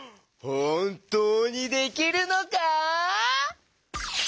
ほんとうにできるのか？